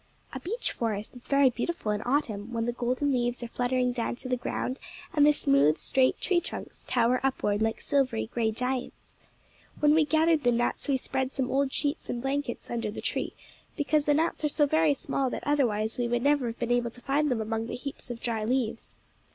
A beech forest is very beautiful in autumn, when the golden leaves are fluttering down to the ground, and the smooth, straight tree trunks tower upward like silver gray giants. When we gathered the nuts we spread some old sheets and blankets under the tree, because the nuts are so very small that otherwise we would never have been able to find them among the heaps of dry leaves.